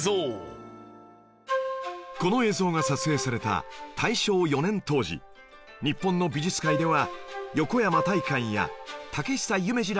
この映像が撮影された大正４年当時日本の美術界では横山大観や竹久夢二らが活躍